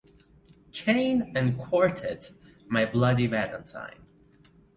Kane and quartet My Bloody Valentine.